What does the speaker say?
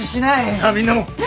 さあみんなも。